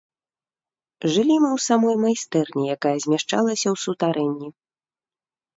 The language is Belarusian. Жылі мы ў самой майстэрні, якая змяшчалася ў сутарэнні.